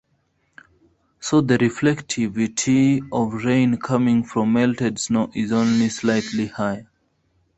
So the reflectivity of rain coming from melted snow is only slightly higher.